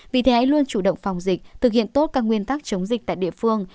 vì thế luôn chủ động phòng dịch thực hiện tốt các nguyên tắc chống dịch tại địa phương